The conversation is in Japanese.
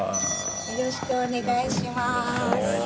よろしくお願いします。